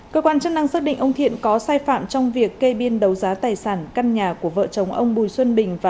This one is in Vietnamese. cơ quan chức năng xác định ông thiện có sai phạm trong việc kê biên đấu giá tài sản căn nhà của vợ chồng ông bùi xuân bình và